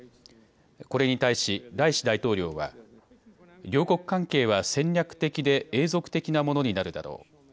これに対しライシ大統領は、両国関係は戦略的で永続的なものになるだろう。